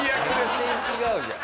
全然違うじゃん。